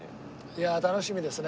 いや楽しみですね。